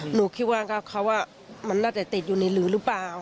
หนูคิดว่าเขามันน่าจะติดอยู่ในหลือหรือเปล่า